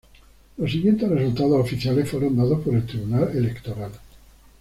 Los siguientes resultados oficiales fueron dados por el Tribunal Electoral.